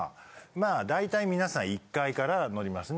まあ大体皆さん１階から乗りますね。